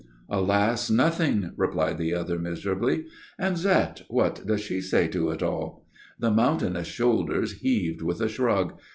"Alas, nothing," replied the other, miserably. "And Zette? What does she say to it all?" The mountainous shoulders heaved with a shrug.